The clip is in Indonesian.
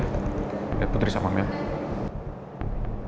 kau yang siap datang